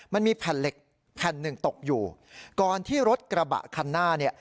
มันมีแผ่นเหล็กแผ่นหนึ่งตกอยู่ก่อนที่รถกระบะคันหน้าเนี่ย